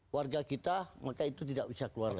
warga kita maka itu tidak bisa keluar